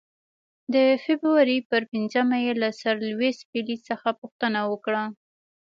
د فبرورۍ پر پنځمه یې له سر لیویس پیلي څخه پوښتنه وکړه.